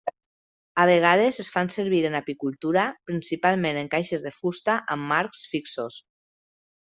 A vegades es fan servir en apicultura, principalment en caixes de fusta amb marcs fixos.